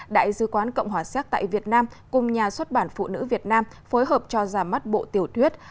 đại dư quán cộng hòa xéc tại việt nam cùng nhà xuất bản phụ nữ việt nam phối hợp cho ra mắt bộ tiểu thuyết